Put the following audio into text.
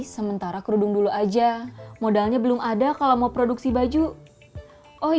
sementara kerudung dulu aja modalnya belum ada kalau mau produksi baju oh ya